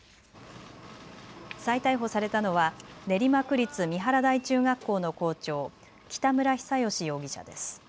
再逮捕されたのは練馬区立三原台中学校の校長、北村比左嘉容疑者です。